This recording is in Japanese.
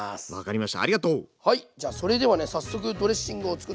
はい。